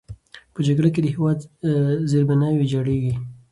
په جګړه کې د هېواد زیربناوې ویجاړېږي.